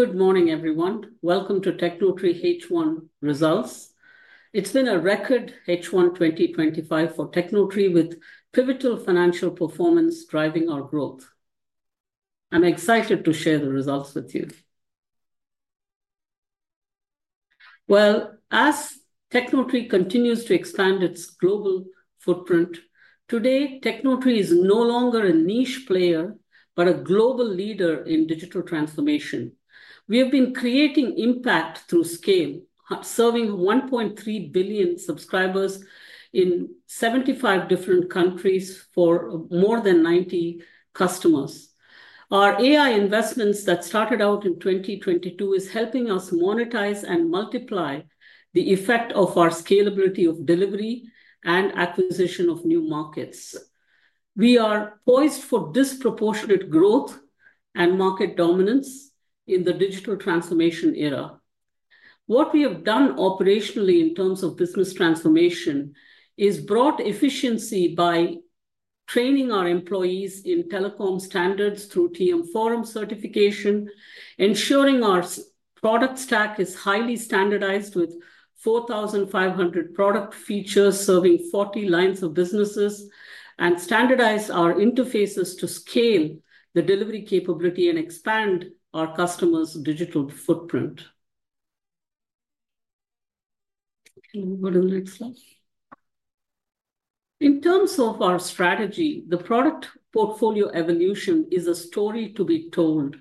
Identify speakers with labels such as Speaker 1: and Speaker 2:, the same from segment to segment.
Speaker 1: Good morning, everyone. Welcome to Tecnotree H1 results. It's been a record H1 2025 for Tecnotree, with pivotal financial performance driving our growth. I'm excited to share the results with you. As Tecnotree continues to expand its global footprint, today Tecnotree is no longer a niche player, but a global leader in digital transformation. We have been creating impact through scale, serving 1.3 billion subscribers in 75 different countries for more than 90 customers. Our AI investments that started out in 2022 are helping us monetize and multiply the effect of our scalability of delivery and acquisition of new markets. We are poised for disproportionate growth and market dominance in the digital transformation era. What we have done operationally in terms of business transformation is brought efficiency by training our employees in telecom standards through TM Forum certification, ensuring our product stack is highly standardized with 4,500 product features serving 40 lines of businesses, and standardizing our interfaces to scale the delivery capability and expand our customers' digital footprint. What are the next steps? In terms of our strategy, the product portfolio evolution is a story to be told.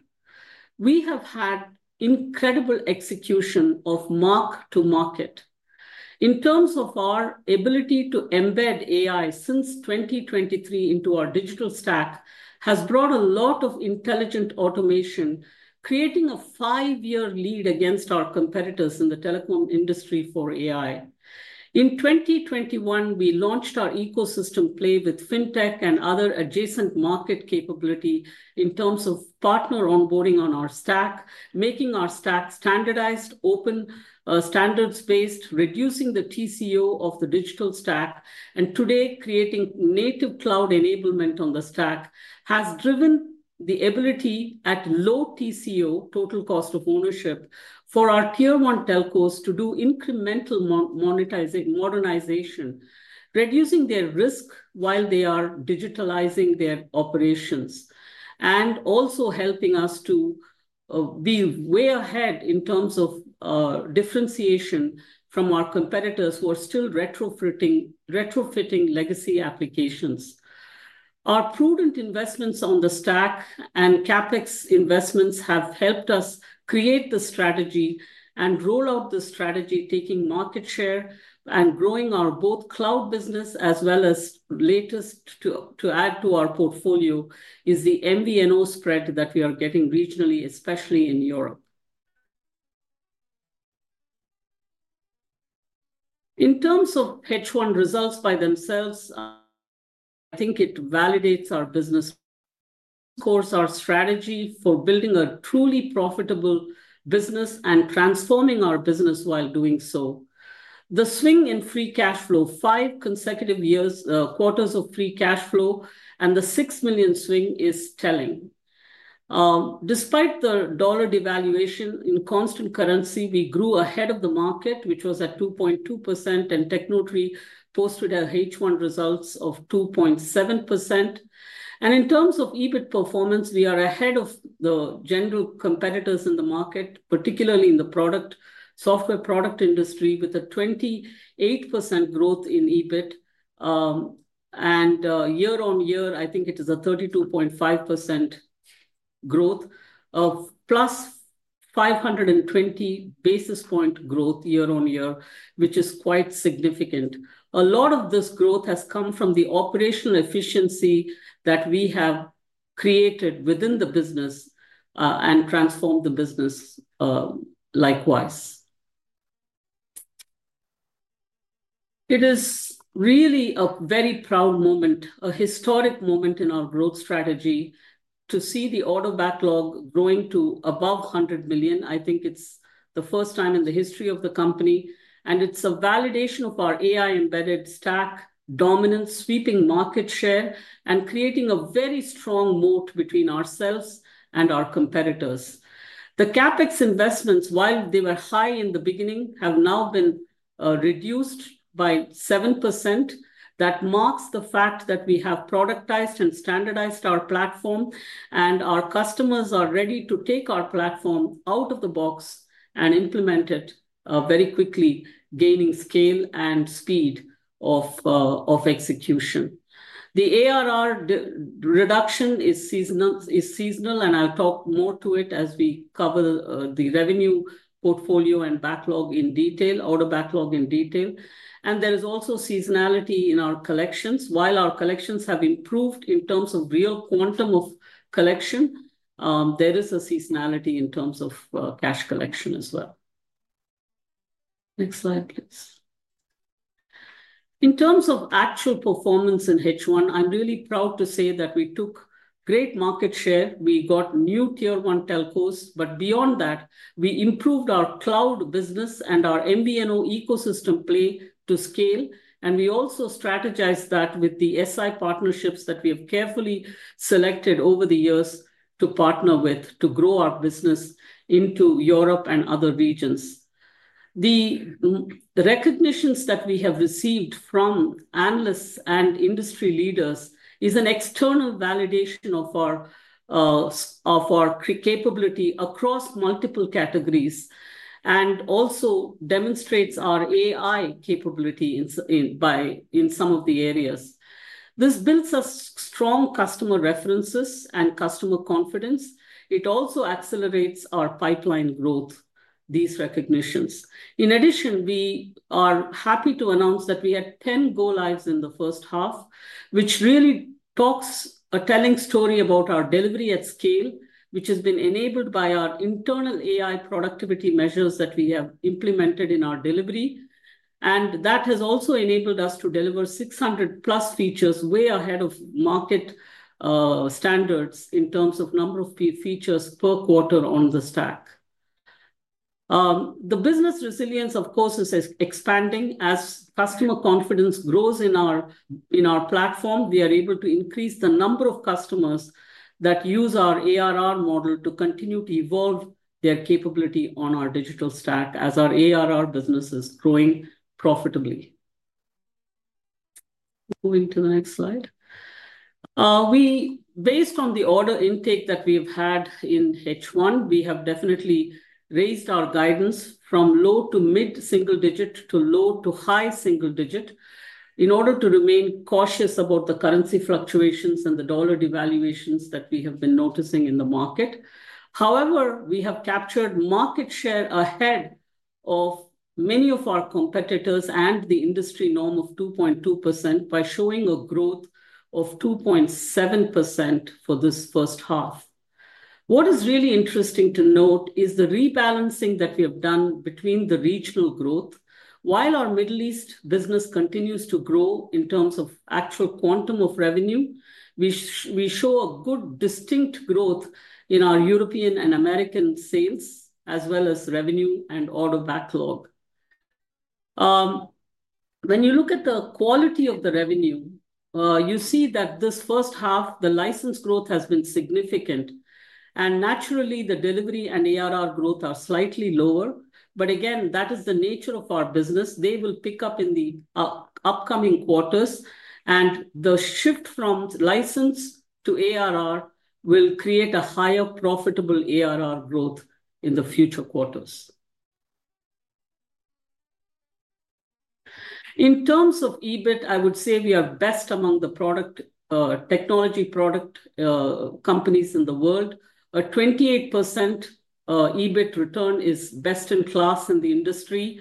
Speaker 1: We have had incredible execution of mark-to-market. In terms of our ability to embed AI since 2023 into our digital stack, it has brought a lot of intelligent automation, creating a five-year lead against our competitors in the telecom industry for AI. In 2021, we launched our ecosystem play with fintech and other adjacent market capability in terms of partner onboarding on our stack, making our stack standardized, open, standards-based, reducing the TCO of the digital stack, and today creating native cloud enablement on the stack has driven the ability at low TCO, total cost of ownership, for our Tier-1 telcos to do incremental monetization, modernization, reducing their risk while they are digitalizing their operations, and also helping us to be way ahead in terms of differentiation from our competitors who are still retrofitting legacy applications. Our prudent investments on the stack and CapEx investments have helped us create the strategy and roll out the strategy, taking market share and growing our both cloud business as well as latest to add to our portfolio is the MVNO spread that we are getting regionally, especially in Europe. In terms of H1 results by themselves, I think it validates our business, of course, our strategy for building a truly profitable business and transforming our business while doing so. The swing in free cash flow, five consecutive quarters of free cash flow, and the EURO 6 million swing is telling. Despite the dollar devaluation in constant currency, we grew ahead of the market, which was at 2.2%, and Tecnotree posted our H1 results of 2.7%. In terms of EBIT performance, we are ahead of the general competitors in the market, particularly in the product software product industry, with a 28% growth in EBIT, and year-on-year, I think it is a 32.5% growth of +520 basis point growth year-on-year, which is quite significant. A lot of this growth has come from the operational efficiency that we have created within the business and transformed the business likewise. It is really a very proud moment, a historic moment in our growth strategy to see the order backlog growing to above EURO 100 million. I think it's the first time in the history of the company, and it's a validation of our AI-embedded stack dominance, sweeping market share, and creating a very strong moat between ourselves and our competitors. The CapEx investments, while they were high in the beginning, have now been reduced by 7%. That marks the fact that we have productized and standardized our platform, and our customers are ready to take our platform out of the box and implement it very quickly, gaining scale and speed of execution. The ARR reduction is seasonal, and I'll talk more to it as we cover the revenue portfolio and backlog in detail, order backlog in detail. There is also seasonality in our collections. While our collections have improved in terms of real quantum of collection, there is a seasonality in terms of cash collection as well. Next slide, please. In terms of actual performance in H1, I'm really proud to say that we took great market share. We got new Tier-1 telcos, but beyond that, we improved our cloud business and our MVNO ecosystem play to scale. We also strategized that with the SI partnerships that we have carefully selected over the years to partner with to grow our business into Europe and other regions. The recognitions that we have received from analysts and industry leaders are an external validation of our capability across multiple categories and also demonstrates our AI capability in some of the areas. This builds us strong customer references and customer confidence. It also accelerates our pipeline growth, these recognitions. In addition, we are happy to announce that we had 10 go lives in the first half, which really talks a telling story about our delivery at scale, which has been enabled by our internal AI productivity measures that we have implemented in our delivery. That has also enabled us to deliver 600 plus features, way ahead of market standards in terms of number of features per quarter on the stack. The business resilience, of course, is expanding as customer confidence grows in our platform. We are able to increase the number of customers that use our ARR model to continue to evolve their capability on our digital stack as our ARR business is growing profitably. Moving to the next slide. Based on the order intake that we have had in H1, we have definitely raised our guidance from low to mid-single digit to low to high single digit in order to remain cautious about the currency fluctuations and the dollar devaluations that we have been noticing in the market. However, we have captured market share ahead of many of our competitors and the industry norm of 2.2% by showing a growth of 2.7% for this first half. What is really interesting to note is the rebalancing that we have done between the regional growth. While our Middle East business continues to grow in terms of actual quantum of revenue, we show a good distinct growth in our European and American sales as well as revenue and order backlog. When you look at the quality of the revenue, you see that this first half, the license growth has been significant, and naturally the delivery and ARR growth are slightly lower. Again, that is the nature of our business. They will pick up in the upcoming quarters, and the shift from license to ARR will create a higher profitable ARR growth in the future quarters. In terms of EBIT, I would say we are best among the product technology product companies in the world. A 28% EBIT return is best in class in the industry.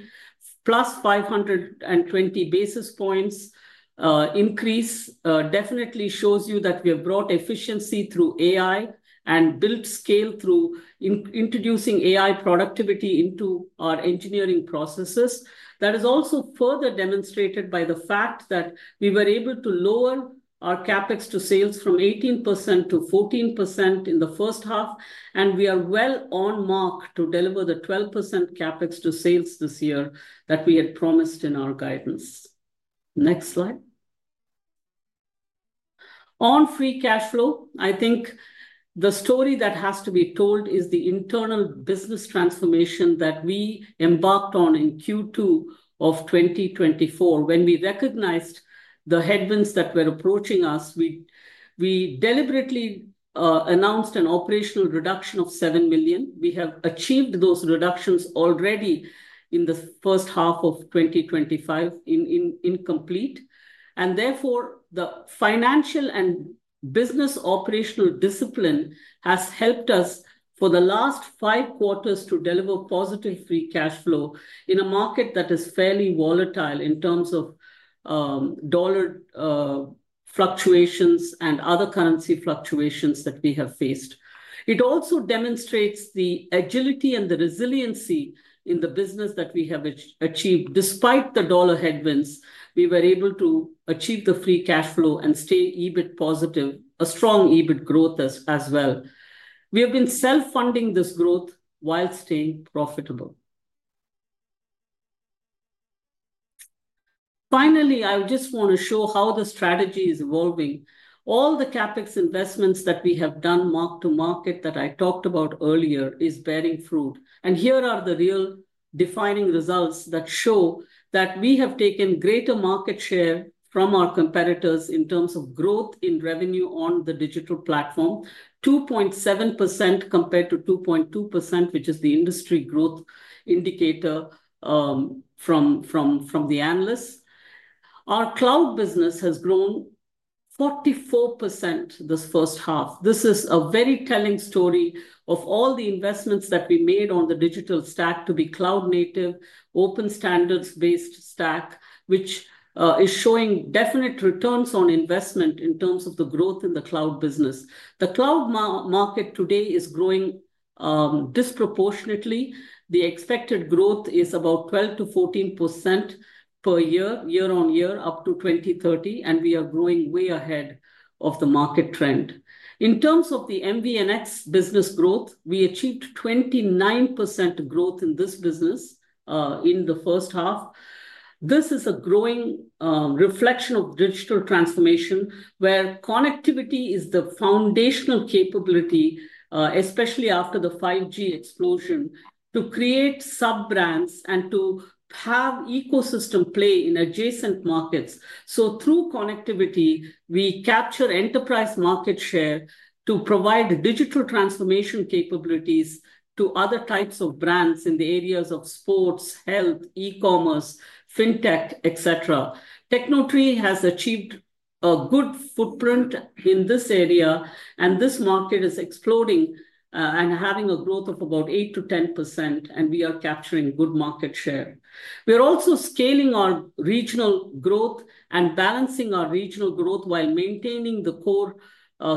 Speaker 1: Plus 520 basis points increase definitely shows you that we have brought efficiency through AI and built scale through introducing AI productivity into our engineering processes. That is also further demonstrated by the fact that we were able to lower our CapEx-to-sales from 18% to 14% in the first half, and we are well on mark to deliver the 12% CapEx-to-sales this year that we had promised in our guidance. Next slide. On free cash flow, I think the story that has to be told is the internal business transformation that we embarked on in Q2 of 2024. When we recognized the headwinds that were approaching us, we deliberately announced an operational reduction of EURO 7 million. We have achieved those reductions already in the first half of 2025 in complete, and therefore the financial and business operational discipline has helped us for the last five quarters to deliver positive free cash flow in a market that is fairly volatile in terms of dollar fluctuations and other currency fluctuations that we have faced. It also demonstrates the agility and the resiliency in the business that we have achieved. Despite the dollar headwinds, we were able to achieve the free cash flow and stay EBIT positive, a strong EBIT growth as well. We have been self-funding this growth while staying profitable. Finally, I just want to show how the strategy is evolving. All the CapEx investments that we have done mark-to-market that I talked about earlier are bearing fruit, and here are the real defining results that show that we have taken greater market share from our competitors in terms of growth in revenue on the digital platform, 2.7% compared to 2.2%, which is the industry growth indicator from the analysts. Our cloud business has grown 44% this first half. This is a very telling story of all the investments that we made on the digital stack to be cloud native, open standards-based stack, which is showing definite returns on investment in terms of the growth in the cloud business. The cloud market today is growing disproportionately. The expected growth is about 12% to 14% per year, year-on-year, up to 2030, and we are growing way ahead of the market trend. In terms of the MVNOs business growth, we achieved 29% growth in this business in the first half. This is a growing reflection of digital transformation where connectivity is the foundational capability, especially after the 5G explosion, to create sub-brands and to have ecosystem play in adjacent markets. Through connectivity, we capture enterprise market share to provide digital transformation capabilities to other types of brands in the areas of sports, health, e-commerce, fintech, etc. Tecnotree has achieved a good footprint in this area, and this market is exploding and having a growth of about 8% to 10%, and we are capturing good market share. We are also scaling our regional growth and balancing our regional growth while maintaining the core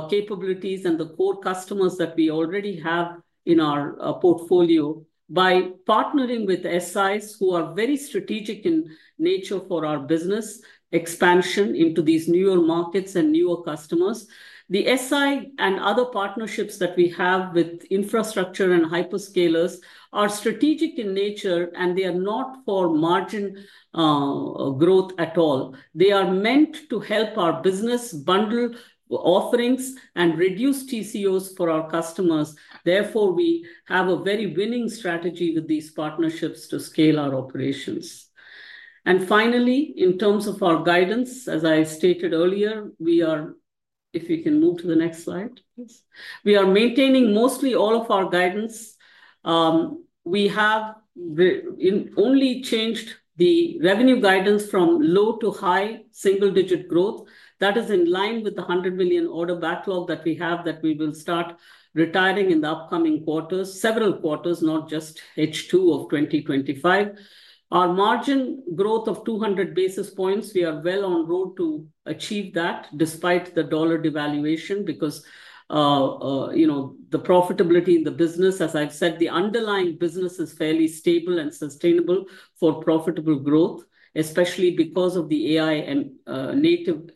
Speaker 1: capabilities and the core customers that we already have in our portfolio by partnering with system integrators, who are very strategic in nature for our business expansion into these newer markets and newer customers. The system integrator and other partnerships that we have with infrastructure and hyperscalers are strategic in nature, and they are not for margin growth at all. They are meant to help our business bundle offerings and reduce TCOs for our customers. Therefore, we have a very winning strategy with these partnerships to scale our operations. Finally, in terms of our guidance, as I stated earlier, if you can move to the next slide, we are maintaining mostly all of our guidance. We have only changed the revenue guidance from low to high single digit growth. That is in line with the EURO 100 million order backlog that we have that we will start retiring in the upcoming quarters, several quarters, not just H2 of 2025. Our margin growth of 200 basis points, we are well on road to achieve that despite the dollar devaluation because the profitability in the business, as I've said, the underlying business is fairly stable and sustainable for profitable growth, especially because of the AI and native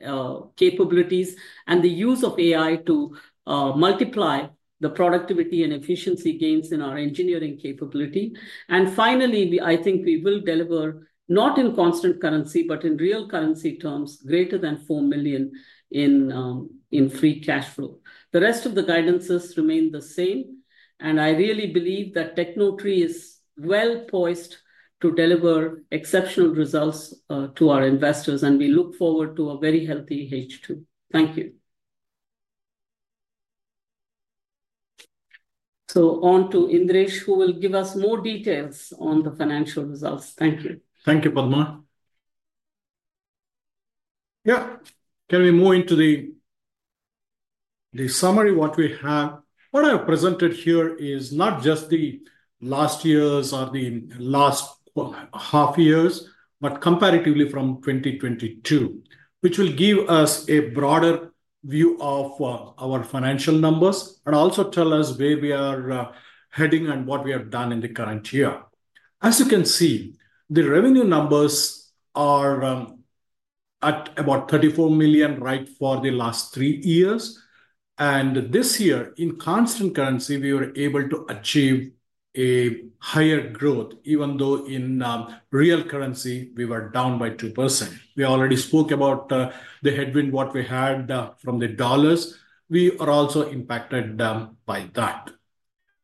Speaker 1: capabilities and the use of AI to multiply the productivity and efficiency gains in our engineering capability. Finally, I think we will deliver, not in constant currency, but in real currency terms, greater than EURO 4 million in free cash flow. The rest of the guidances remain the same, and I really believe that Tecnotree is well poised to deliver exceptional results to our investors, and we look forward to a very healthy H2. Thank you. On to Indiresh, who will give us more details on the financial results. Thank you.
Speaker 2: Thank you, Padma. Yeah, can we move into the summary of what we have? What I have presented here is not just the last year's or the last half year's, but comparatively from 2022, which will give us a broader view of our financial numbers and also tell us where we are heading and what we have done in the current year. As you can see, the revenue numbers are at about EURO 34 million right for the last three years, and this year in constant currency, we were able to achieve a higher growth, even though in real currency we were down by 2%. We already spoke about the headwind, what we had from the dollars. We are also impacted by that.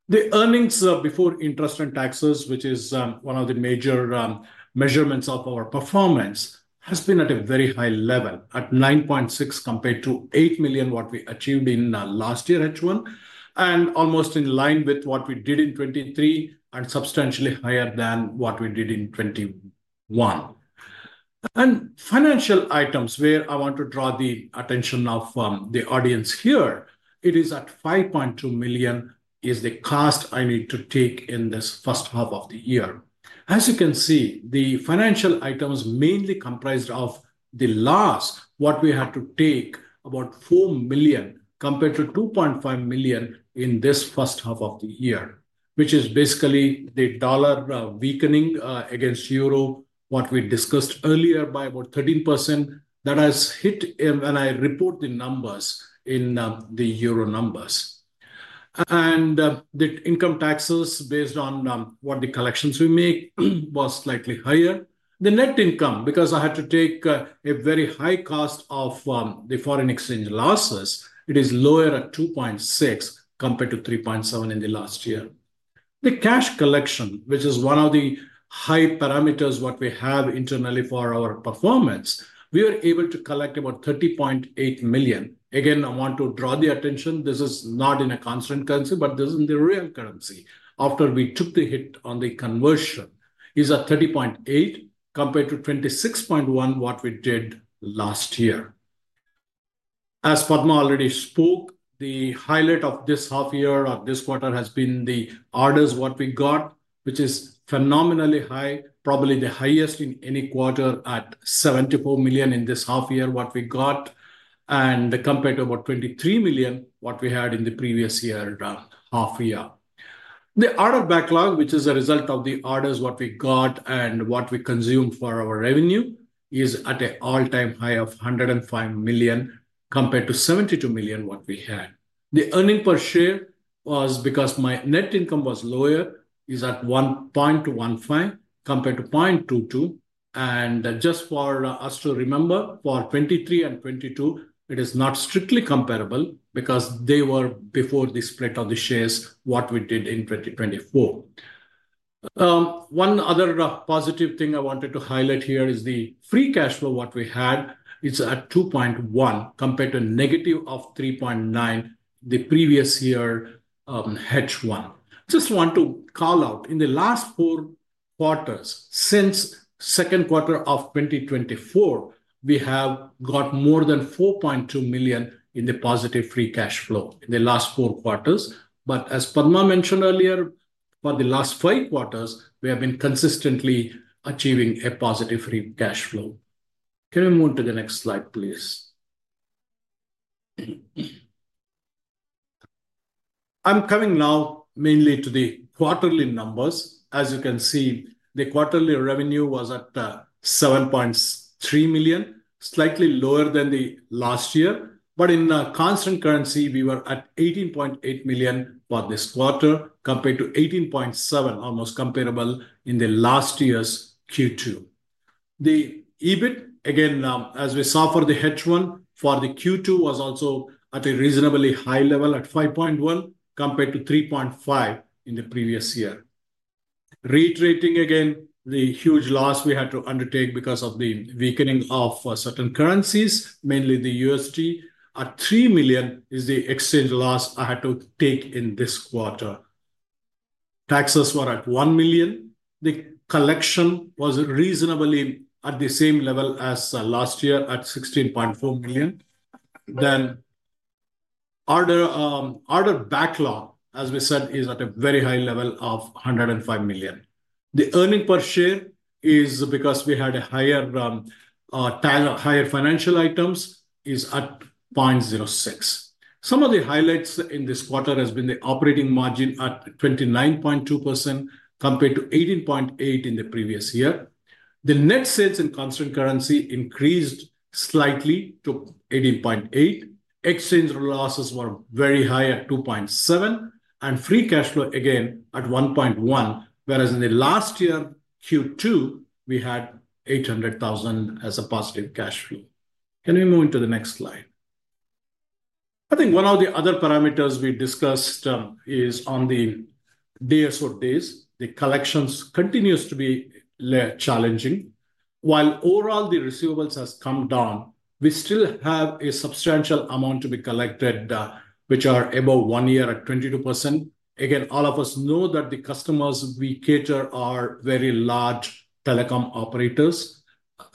Speaker 2: The earnings before interest and taxes, which is one of the major measurements of our performance, has been at a very high level at EURO 9.6 million compared to EURO 8 million what we achieved in last year H1, and almost in line with what we did in 2023 and substantially higher than what we did in 2021. Financial items where I want to draw the attention of the audience here, it is at EURO 5.2 million is the cost I need to take in this first half of the year. As you can see, the financial items mainly comprised of the loss, what we have to take about EURO 4 million compared to EURO 2.5 million in this first half of the year, which is basically the dollar weakening against euro, what we discussed earlier by about 13% that has hit when I report the numbers in the euro numbers. The income taxes based on what the collections we make was slightly higher. The net income, because I had to take a very high cost of the foreign exchange losses, it is lower at EURO 2.6 million compared to EURO 3.7 million in the last year. The cash collection, which is one of the high parameters what we have internally for our performance, we are able to collect about EURO 30.8 million. Again, I want to draw the attention, this is not in a constant currency, but this is in the real currency. After we took the hit on the conversion, is at EURO 30.8 million compared to EURO 26.1 million what we did last year. As Padma already spoke, the highlight of this half year or this quarter has been the orders what we got, which is phenomenally high, probably the highest in any quarter at EURO 74 million in this half year what we got, and compared to about EURO 23 million what we had in the previous year half year. The order backlog, which is a result of the orders what we got and what we consumed for our revenue, is at an all-time high of EURO 105 million compared to EURO 72 million what we had. The earnings per share was, because my net income was lower, at EURO 1.15 compared to EURO 0.22. Just for us to remember, for 2023 and 2022, it is not strictly comparable because they were before the split of the shares we did in 2024. One other positive thing I wanted to highlight here is the free cash flow we had at EURO 2.1 million compared to a negative EURO 3.9 million the previous year H1. I just want to call out, in the last four quarters, since the second quarter of 2024, we have got more than EURO 4.2 million in positive free cash flow in the last four quarters. As Padma mentioned earlier, for the last five quarters, we have been consistently achieving a positive free cash flow. Can we move to the next slide, please? I'm coming now mainly to the quarterly numbers. As you can see, the quarterly revenue was at EURO 7.3 million, slightly lower than last year. In constant currency, we were at EURO 18.8 million for this quarter compared to EURO 18.7 million, almost comparable to last year's Q2. The EBIT, again, as we saw for the H1, for the Q2 was also at a reasonably high level at EURO 5.1 million compared to EURO 3.5 million in the previous year. Rate rating, again, the huge loss we had to undertake because of the weakening of certain currencies, mainly the USD, at EURO 3 million is the exchange loss I had to take in this quarter. Taxes were at EURO 1 million. The collection was reasonably at the same level as last year at EURO 16.4 million. The order backlog, as we said, is at a very high level of EURO 105 million. The earnings per share is, because we had higher financial items, at EURO 0.06. Some of the highlights in this quarter have been the operating margin at 29.2% compared to 18.8% in the previous year. The net sales in constant currency increased slightly to 18.8%. Exchange losses were very high at 2.7% and free cash flow again at 1.1%, whereas in last year Q2 we had EURO 800,000 as a positive cash flow. Can we move into the next slide? I think one of the other parameters we discussed is on the day-to-days. The collections continue to be challenging. While overall the receivables have come down, we still have a substantial amount to be collected, which are above one year at 22%. All of us know that the customers we cater to are very large telecom operators.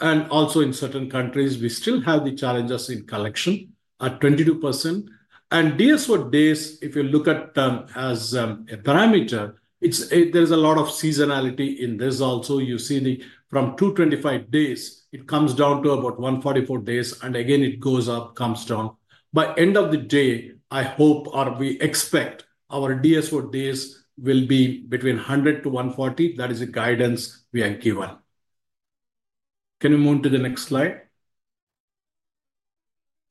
Speaker 2: In certain countries, we still have the challenges in collection at 22%. Day-to-days, if you look at as a parameter, there's a lot of seasonality in this. Also, you see from 225 days, it comes down to about 144 days, and again it goes up, comes down. By the end of the day, I hope or we expect our day-to-days will be between 100 to 140. That is a guidance we are given. Can we move to the next slide?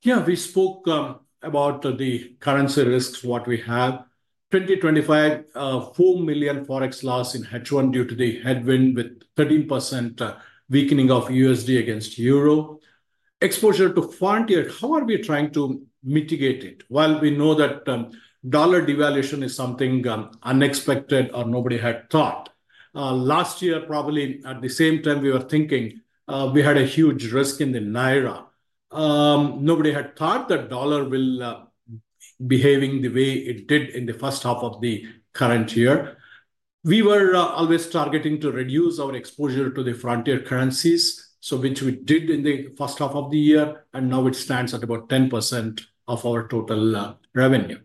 Speaker 2: Yeah, we spoke about the currency risks we have. 2025, EURO 4 million forex loss in H1 due to the headwind with 13% weakening of USD against euro. Exposure to frontier, how are we trying to mitigate it? We know that dollar devaluation is something unexpected or nobody had thought. Last year, probably at the same time we were thinking we had a huge risk in the Naira. Nobody had thought that dollar would be behaving the way it did in the first half of the current year. We were always targeting to reduce our exposure to the frontier currencies, which we did in the first half of the year, and now it stands at about 10% of our total revenue.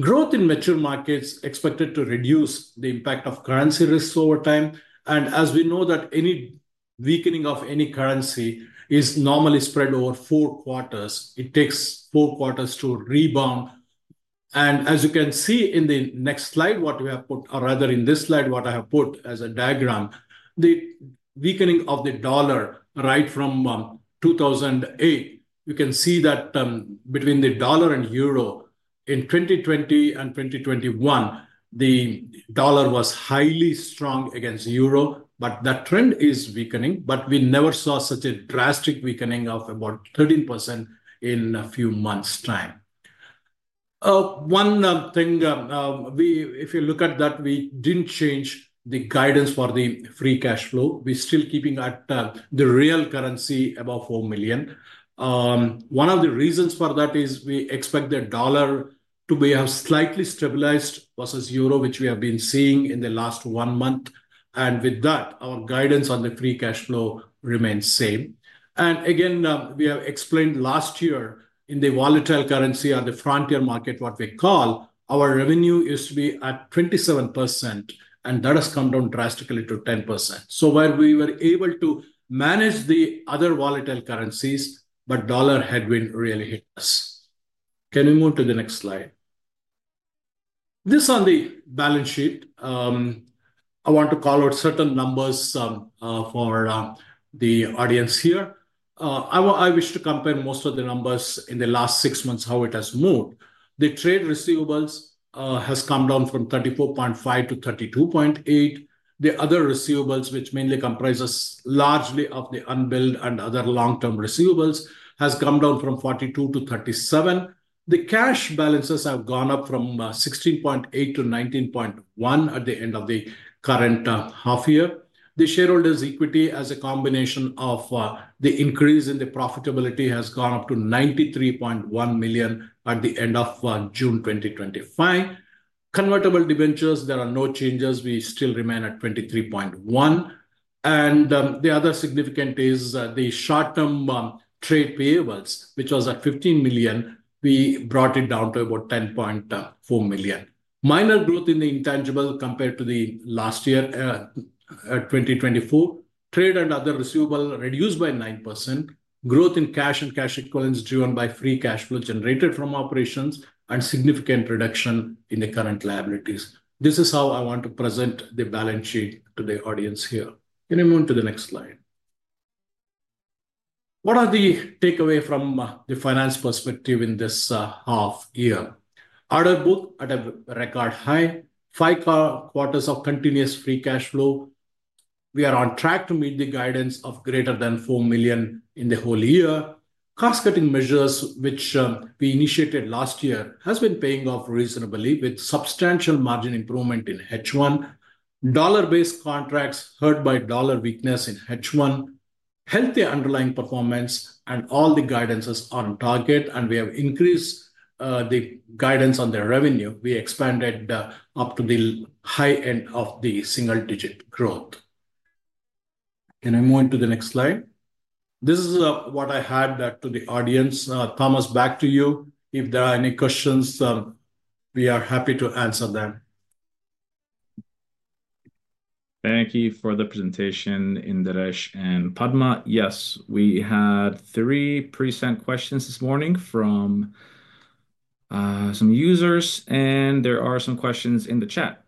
Speaker 2: Growth in mature markets is expected to reduce the impact of currency risks over time. As we know, any weakening of any currency is normally spread over four quarters, it takes four quarters to rebound. As you can see in the next slide, what we have put, or rather in this slide, what I have put as a diagram, the weakening of the dollar right from 2008. You can see that between the dollar and euro in 2020 and 2021, the dollar was highly strong against euro, but that trend is weakening. We never saw such a drastic weakening of about 13% in a few months' time. One thing, if you look at that, we didn't change the guidance for the free cash flow. We're still keeping at the real currency above EURO 4 million. One of the reasons for that is we expect the dollar to be slightly stabilized versus euro, which we have been seeing in the last one month. With that, our guidance on the free cash flow remains the same. We have explained last year in the volatile currency or the frontier market, what we call our revenue used to be at 27%, and that has come down drastically to 10%. We were able to manage the other volatile currencies, but dollar headwind really hit us. Can we move to the next slide? This on the balance sheet, I want to call out certain numbers for the audience here. I wish to compare most of the numbers in the last six months, how it has moved. The trade receivables have come down from EURO 34.5 million-EURO 32.8 million. The other receivables, which mainly comprise largely of the unbilled and other long-term receivables, have come down from EURO 42 million-EURO 37 million. The cash balances have gone up from EURO 16.8 million-EURO 19.1 million at the end of the current half year. The shareholders' equity, as a combination of the increase in the profitability, has gone up to EURO 93.1 million at the end of June 2025. Convertible debentures, there are no changes. We still remain at EURO 23.1 million. The other significant is the short-term trade payables, which was at EURO 15 million. We brought it down to about EURO 10.4 million. Minor growth in the intangible compared to last year at 2024. Trade and other receivable reduced by 9%. Growth in cash and cash equivalents driven by free cash flow generated from operations and significant reduction in the current liabilities. This is how I want to present the balance sheet to the audience here. Can we move to the next slide? What are the takeaways from the finance perspective in this half year? Order book at a record high. Five quarters of continuous free cash flow. We are on track to meet the guidance of greater than EURO 4 million in the whole year. Cost-cutting measures, which we initiated last year, have been paying off reasonably with substantial margin improvement in H1. Dollar-based contracts hurt by dollar weakness in H1. Healthy underlying performance and all the guidances is on target, and we have increased the guidance on the revenue. We expanded up to the high end of the single digit growth. Can we move into the next slide? This is what I had to the audience. Thomas, back to you. If there are any questions, we are happy to answer them.
Speaker 3: Thank you for the presentation, Indiresh and Padma. Yes, we had three pre-sent questions this morning from some users, and there are some questions in the chat.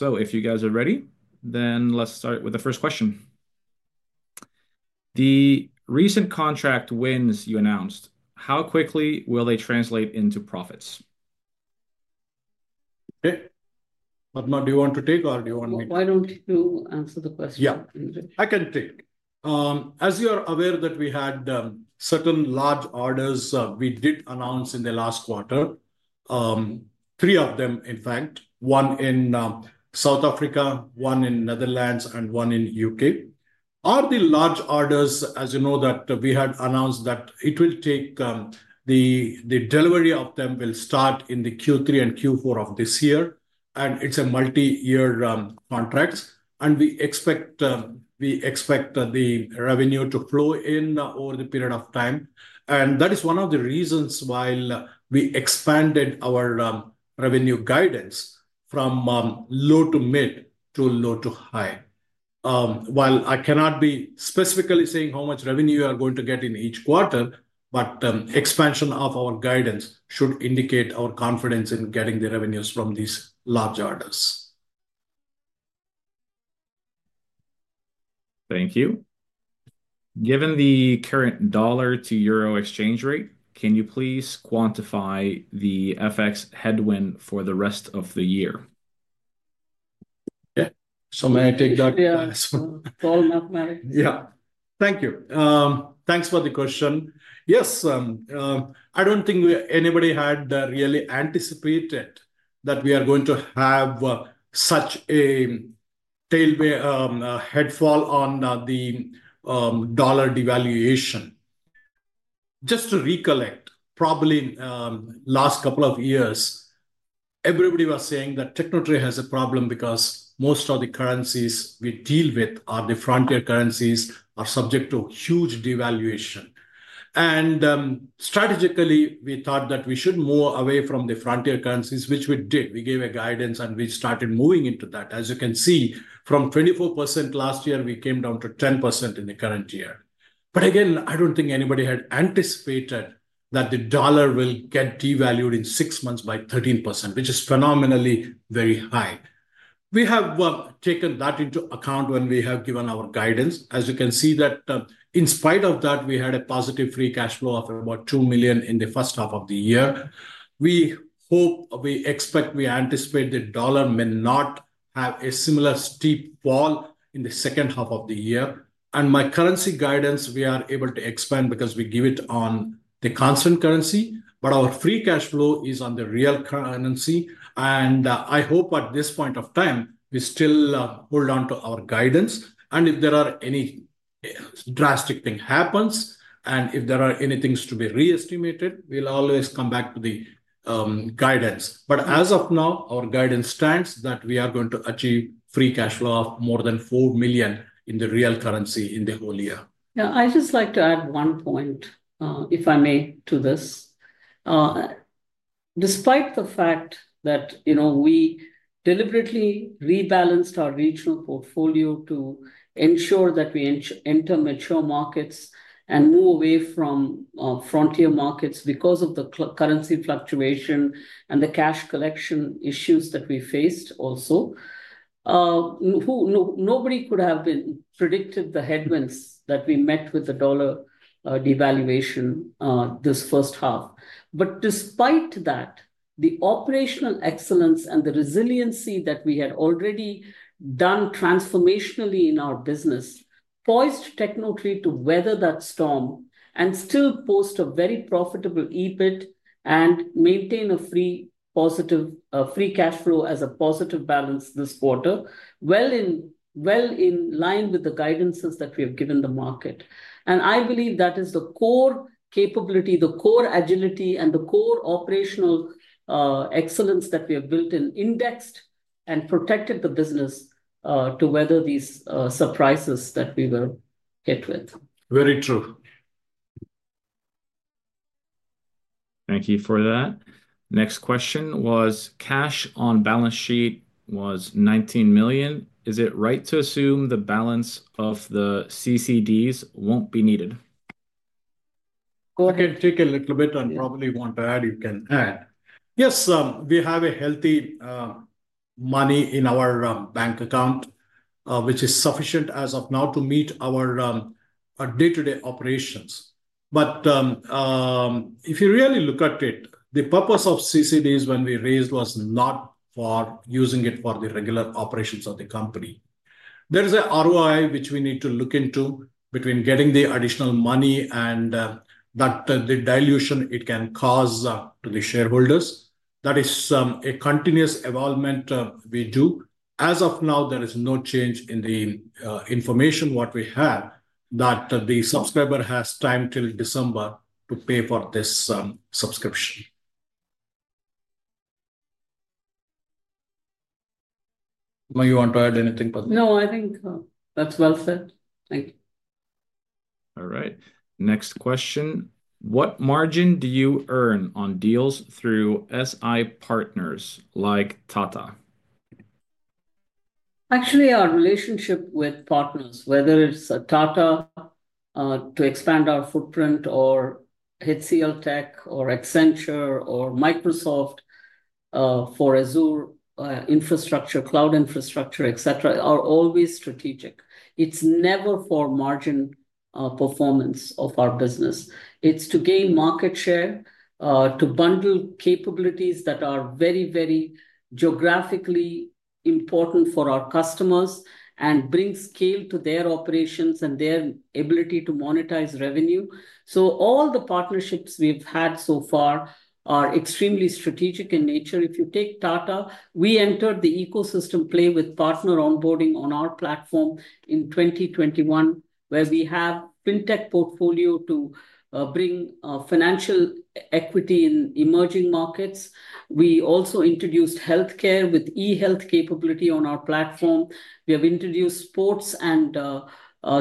Speaker 3: If you guys are ready, let's start with the first question. The recent contract wins you announced, how quickly will they translate into profits?
Speaker 2: Okay. Padma, do you want to take it or do you want me?
Speaker 1: Why don't you answer the question?
Speaker 2: Yeah, I can take. As you are aware that we had certain large orders we did announce in the last quarter, three of them, in fact, one in South Africa, one in Netherlands, and one in the UK. The large orders, as you know, that we had announced that it will take the delivery of them will start in Q3 and Q4 of this year, and it's a multi-year contract. We expect the revenue to flow in over the period of time. That is one of the reasons why we expanded our revenue guidance from low to mid to low to high. While I cannot be specifically saying how much revenue you are going to get in each quarter, expansion of our guidance should indicate our confidence in getting the revenues from these large orders.
Speaker 3: Thank you. Given the current dollar-to-euro exchange rate, can you please quantify the FX headwind for the rest of the year?
Speaker 2: May I take that?
Speaker 1: Yeah
Speaker 2: Thank you. Thanks for the question. Yes, I don't think anybody had really anticipated that we are going to have such a headfall on the dollar devaluation. Just to recollect, probably in the last couple of years, everybody was saying that Tecnotree has a problem because most of the currencies we deal with are the frontier currencies, are subject to huge devaluation. Strategically, we thought that we should move away from the frontier currencies, which we did. We gave a guidance and we started moving into that. As you can see, from 24% last year, we came down to 10% in the current year. I don't think anybody had anticipated that the dollar will get devalued in six months by 13%, which is phenomenally very high. We have taken that into account when we have given our guidance. As you can see, in spite of that, we had a positive free cash flow of about EURO 2 million in the first half of the year. We hope, we expect, we anticipate the dollar may not have a similar steep fall in the second half of the year. My currency guidance, we are able to expand because we give it on the constant currency, but our free cash flow is on the real currency. I hope at this point of time, we still hold on to our guidance. If there are any drastic things happen, and if there are any things to be reestimated, we'll always come back to the guidance. As of now, our guidance stands that we are going to achieve free cash flow of more than EURO 4 million in the real currency in the whole year.
Speaker 1: Yeah, I'd just like to add one point, if I may, to this. Despite the fact that we deliberately rebalanced our regional portfolio to ensure that we enter mature markets and move away from frontier markets because of the currency fluctuation and the cash collection issues that we faced also. Nobody could have predicted the headwinds that we met with the dollar devaluation this first half. Despite that, the operational excellence and the resiliency that we had already done transformationally in our business poised Tecnotree to weather that storm and still post a very profitable EBIT and maintain a positive free cash flow as a positive balance this quarter, well in line with the guidances that we have given the market. I believe that is the core capability, the core agility, and the core operational excellence that we have built in, indexed and protected the business to weather these surprises that we were hit with.
Speaker 2: Very true.
Speaker 3: Thank you for that. Next question was, cash on balance sheet was EURO 19 million. Is it right to assume the balance of the convertible debentures won't be needed?
Speaker 2: I can take a little bit and probably want to add, you can add. Yes, we have a healthy money in our bank account, which is sufficient as of now to meet our day-to-day operations. If you really look at it, the purpose of CCDs when we raised was not for using it for the regular operations of the company. There is an ROI which we need to look into between getting the additional money and the dilution it can cause to the shareholders. That is a continuous evolvement we do. As of now, there is no change in the information we have that the subscriber has time till December to pay for this subscription. You want to add anything, Padma?
Speaker 1: No, I think that's well said. Thank you.
Speaker 3: All right. Next question. What margin do you earn on deals through system integrator partners like Tata?
Speaker 1: Actually, our relationship with partners, whether it's a Tata Communications Limited to expand our footprint or HCLTech or Accenture or Microsoft Azure for infrastructure, cloud infrastructure, etc., are always strategic. It's never for margin performance of our business. It's to gain market share, to bundle capabilities that are very, very geographically important for our customers and bring scale to their operations and their ability to monetize revenue. All the partnerships we've had so far are extremely strategic in nature. If you take Tata Communications Limited, we entered the ecosystem play with partner onboarding on our platform in 2021, where we have a fintech portfolio to bring financial equity in emerging markets. We also introduced healthcare with e-health capability on our platform. We have introduced sports and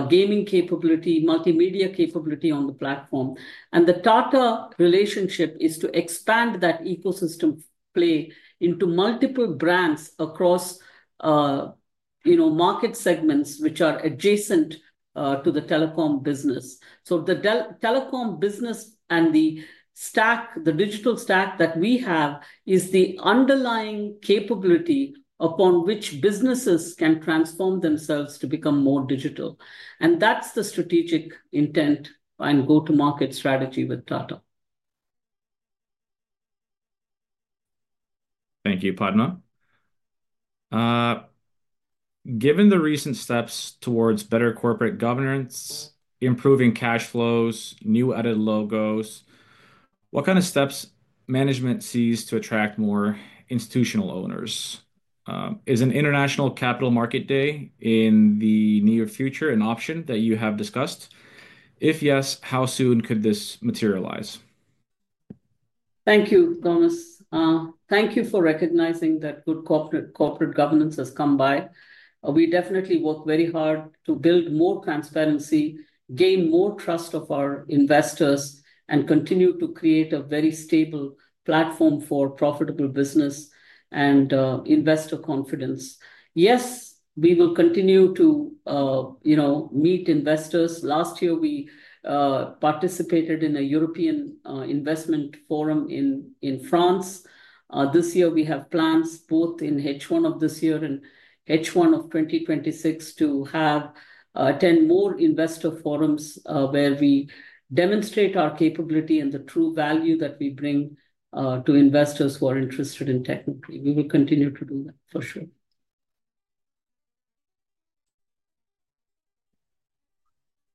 Speaker 1: gaming capability, multimedia capability on the platform. The Tata Communications Limited relationship is to expand that ecosystem play into multiple brands across, you know, market segments which are adjacent to the telecom business. The telecom business and the stack, the digital stack that we have is the underlying capability upon which businesses can transform themselves to become more digital. That's the strategic intent and go-to-market strategy with Tata Communications Limited.
Speaker 3: Thank you, Padma. Given the recent steps towards better corporate governance, improving cash flows, new added logos, what kind of steps management sees to attract more institutional owners? Is an international capital market day in the near future an option that you have discussed? If yes, how soon could this materialize?
Speaker 1: Thank you, Gomez. Thank you for recognizing that good corporate governance has come by. We definitely work very hard to build more transparency, gain more trust of our investors, and continue to create a very stable platform for profitable business and investor confidence. Yes, we will continue to meet investors. Last year, we participated in a European investment forum in France. This year, we have plans both in H1 of this year and H1 of 2026 to have 10 more investor forums where we demonstrate our capability and the true value that we bring to investors who are interested in technology. We will continue to do that for sure.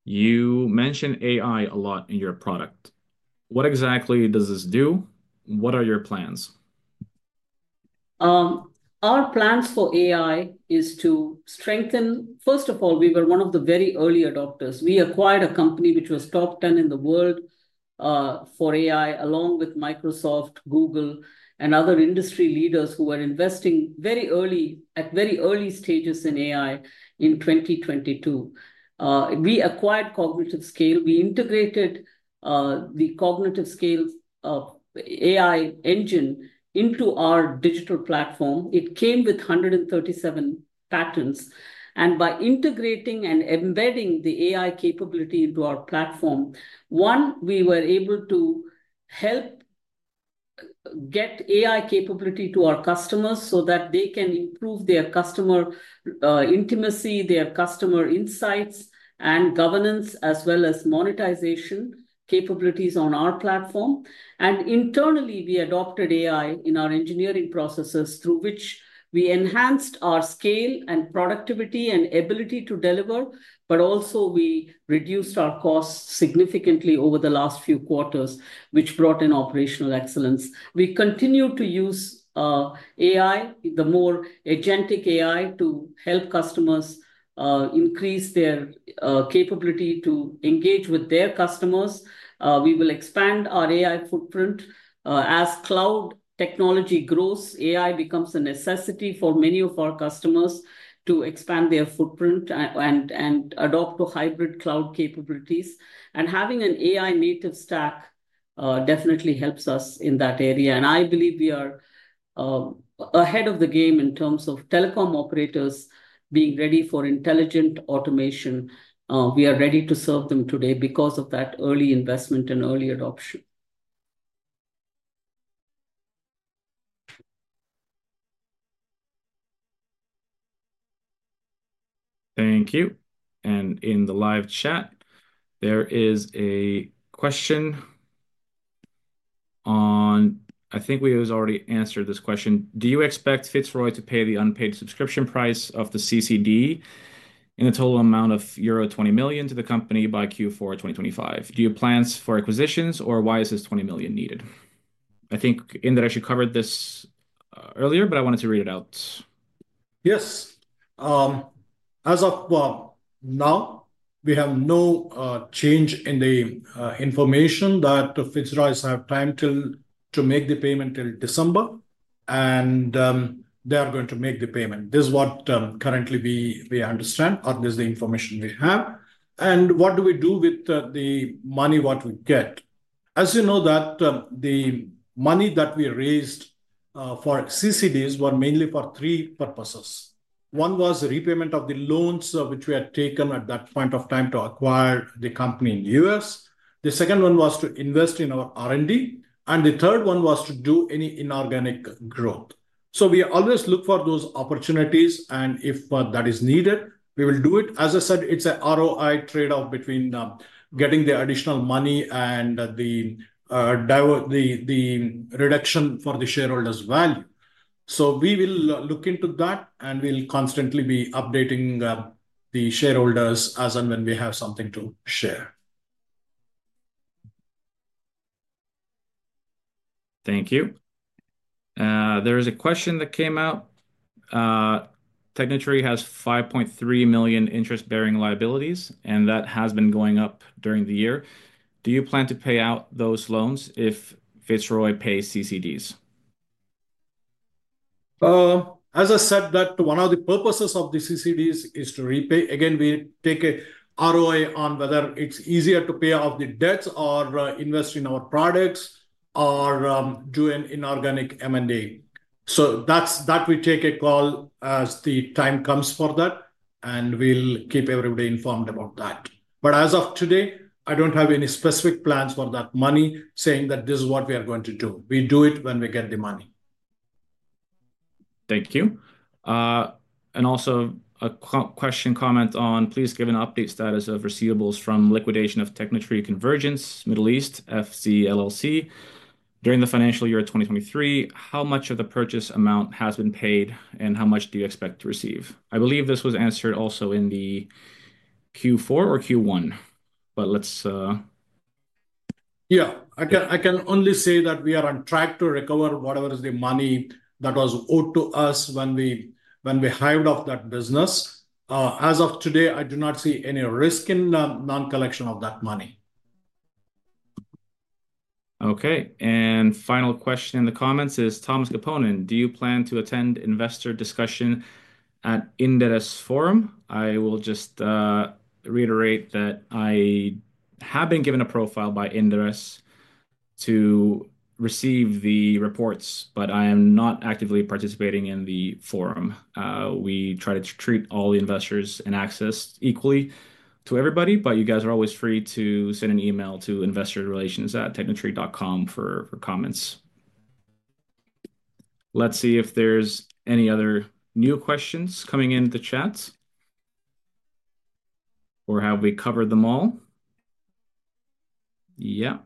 Speaker 3: You mentioned AI a lot in your product. What exactly does this do? What are your plans?
Speaker 1: Our plans for AI are to strengthen. First of all, we were one of the very early adopters. We acquired a company which was top 10 in the world for AI, along with Microsoft, Google, and other industry leaders who were investing very early at very early stages in AI in 2022. We acquired Cognitive Scale. We integrated the Cognitive Scale AI engine into our digital platform. It came with 137 patents. By integrating and embedding the AI capability into our platform, we were able to help get AI capability to our customers so that they can improve their customer intimacy, their customer insights, and governance, as well as monetization capabilities on our platform. Internally, we adopted AI in our engineering processes through which we enhanced our scale and productivity and ability to deliver, and we reduced our costs significantly over the last few quarters, which brought in operational excellence. We continue to use AI, the more agentic AI, to help customers increase their capability to engage with their customers. We will expand our AI footprint. As cloud technology grows, AI becomes a necessity for many of our customers to expand their footprint and adopt hybrid cloud capabilities. Having an AI-native stack definitely helps us in that area. I believe we are ahead of the game in terms of telecom operators being ready for intelligent automation. We are ready to serve them today because of that early investment and early adoption.
Speaker 3: Thank you. In the live chat, there is a question on, I think we have already answered this question. Do you expect Fitzroy to pay the unpaid subscription price of the convertible debentures in the total amount of €20 million to the company by Q4 2025? Do you have plans for acquisitions or why is this €20 million needed? I think Indiresh, you covered this earlier, but I wanted to read it out.
Speaker 2: Yes. As of now, we have no change in the information that Fitzroy has time to make the payment till December, and they are going to make the payment. This is what currently we understand, or this is the information we have. What do we do with the money we get? As you know, the money that we raised for CCDs was mainly for three purposes. One was the repayment of the loans which we had taken at that point of time to acquire the company in the U.S. The second one was to invest in our R&D, and the third one was to do any inorganic growth. We always look for those opportunities, and if that is needed, we will do it. As I said, it's an ROI trade-off between getting the additional money and the reduction for the shareholders' value. We will look into that, and we'll constantly be updating the shareholders as and when we have something to share.
Speaker 3: Thank you. There is a question that came out. Tecnotree has EURO 5.3 million interest-bearing liabilities, and that has been going up during the year. Do you plan to pay out those loans if Fitzroy pays convertible debentures?
Speaker 2: As I said, one of the purposes of the convertible debentures is to repay. We take an ROI on whether it's easier to pay off the debts or invest in our products or do an inorganic M&A. We take a call as the time comes for that, and we'll keep everybody informed about that. As of today, I don't have any specific plans for that money, saying that this is what we are going to do. We do it when we get the money.
Speaker 3: Thank you. Also, a question comment on, please give an update status of receivables from liquidation of Tecnotree Convergence Middle East FC LLC during the financial year of 2023. How much of the purchase amount has been paid, and how much do you expect to receive? I believe this was answered also in the Q4 or Q1, but let's.
Speaker 2: I can only say that we are on track to recover whatever is the money that was owed to us when we hived off that business. As of today, I do not see any risk in the non-collection of that money.
Speaker 3: Okay, and final question in the comments is, Thomas Koponen, do you plan to attend investor discussion at Indiresh Forum? I will just reiterate that I have been given a profile by Indiresh to receive the reports, but I am not actively participating in the forum. We try to treat all the investors and access equally to everybody, but you guys are always free to send an email to investorrelations@tecnotree.com for comments. Let's see if there's any other new questions coming in the chat, or have we covered them all? Yeah.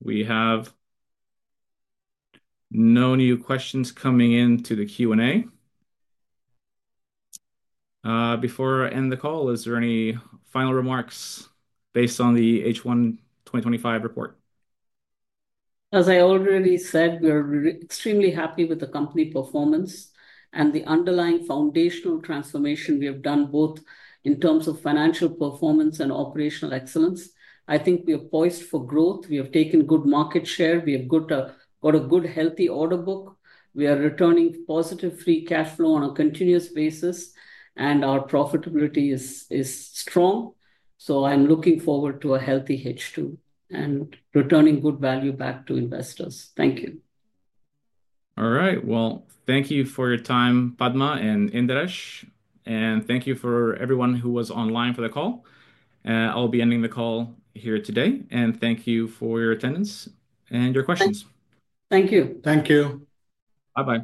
Speaker 3: We have no new questions coming in to the Q&A. Before I end the call, is there any final remarks based on the H1 2025 report?
Speaker 1: As I already said, we are extremely happy with the company performance and the underlying foundational transformation we have done both in terms of financial performance and operational excellence. I think we are poised for growth. We have taken good market share. We have got a good, healthy order book. We are returning positive free cash flow on a continuous basis, and our profitability is strong. I am looking forward to a healthy H2 and returning good value back to investors. Thank you.
Speaker 3: All right, thank you for your time, Padma and Indiresh, and thank you to everyone who was online for the call. I'll be ending the call here today, and thank you for your attendance and your questions.
Speaker 1: Thank you.
Speaker 2: Thank you.
Speaker 3: Bye-bye.